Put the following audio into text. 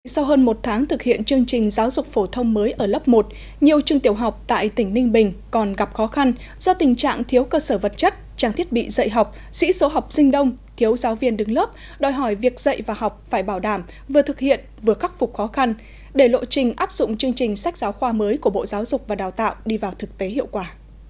sau hơn một tháng thực hiện chương trình giáo dục phổ thông mới ở lớp một nhiều trường tiểu học tại tỉnh ninh bình còn gặp khó khăn do tình trạng thiếu cơ sở vật chất trang thiết bị dạy học sĩ số học sinh đông thiếu giáo viên đứng lớp đòi hỏi việc dạy và học phải bảo đảm vừa thực hiện vừa khắc phục khó khăn để lộ trình áp dụng chương trình sách giáo khoa mới của bộ giáo dục và đào tạo đi vào thực tế hiệu quả